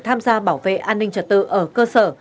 tham gia bảo vệ an ninh trật tự ở cơ sở